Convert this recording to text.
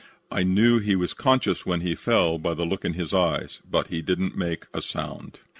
I knew he was conscious when he fell, by the look in his eyes, but he didn't make a sound.